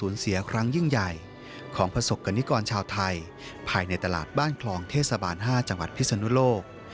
เสียครั้งยิ่งใหญ่ของประสบกรณิกรชาวไทยภายในตลาดบ้านคลองเทศบาล๕จังหวัดพิศนุโลก